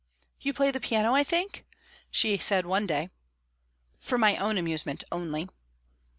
"You play the piano, I think?" she said one day. "For my own amusement only."